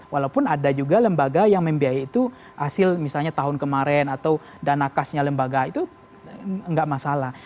walaupun ada juga lembaga yang membiayai itu hasil misalnya tahun kemarin atau dana kasnya lembaga itu nggak masalah